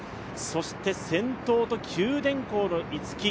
そして、先頭と九電工逸木。